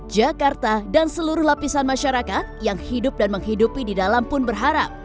jakarta dan seluruh lapisan masyarakat yang hidup dan menghidupi di dalam pun berharap